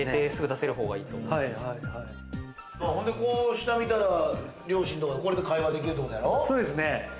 下見たら両親と会話できるってことやろ？